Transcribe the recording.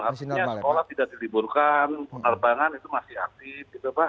artinya sekolah tidak diliburkan penerbangan itu masih aktif gitu pak